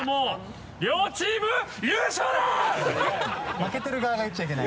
負けてる側が言っちゃいけない。